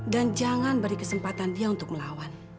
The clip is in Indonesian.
dan jangan beri kesempatan dia untuk melawan